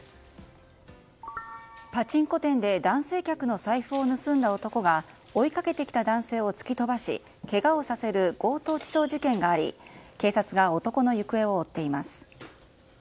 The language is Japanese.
パチンコ店で男性客の財布を盗んだ男が追いかけてきた男性を突き飛ばしけがをさせる強盗致傷事件があり警察が男の行方を追っています。